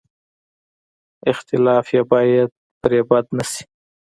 اختلاف یې باید پرې بد نه شي.